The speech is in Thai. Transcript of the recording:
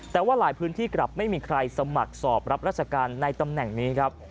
แต่ว่าหลายพื้นที่กลับไม่มีใครสมัครสอบรับราชการในตำแหน่งนี้ครับ